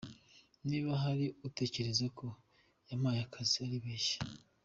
Niba hari utekereza ko yampaye akazi, aribeshya.